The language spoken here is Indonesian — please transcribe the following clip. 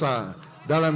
dalam bangsa indonesia